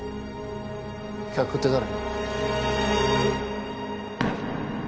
客って誰？